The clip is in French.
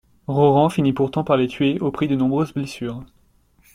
Roran finit pourtant par le tuer au prix de nombreuses blessures.